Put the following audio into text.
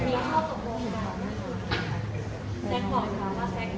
แล้วก็ต้องประเภททุกคนแหละ